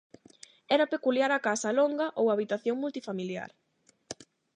Era peculiar a casa longa ou habitación multifamiliar.